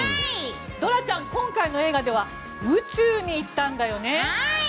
ドラちゃん、今回の映画では宇宙に行ったんだよね！